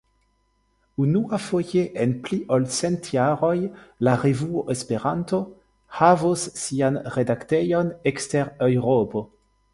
Unuafoje en pli ol cent jaroj, la revuo Esperanto havos sian redaktejon ekster Eŭropo.